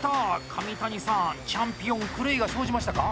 上谷さん、チャンピオン狂いが生じましたか？